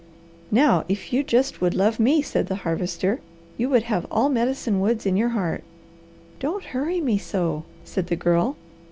"Now if you just would love me," said the Harvester, "you would have all Medicine Woods in your heart." "Don't hurry me so!" said the Girl.